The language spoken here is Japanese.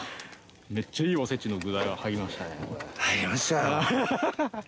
めっちゃいいおせちの具材が入りましたね。